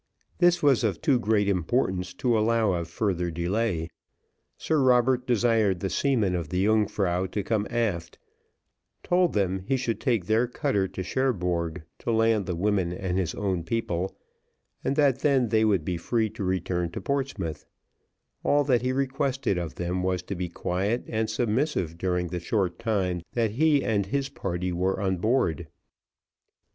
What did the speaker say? This was of too great importance to allow of further delay. Sir Robert desired the seamen of the Yungfrau to come aft, told them he should take their cutter to Cherbourg, to land the Women and his own people, and that then they would be free to return to Portsmouth; all that he requested of them was to be quiet and submissive during the short time that he and his party were on board.